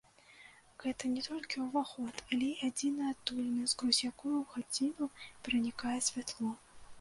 Гэта не толькі ўваход, але і адзіная адтуліна, скрозь якую ў хаціну пранікае святло.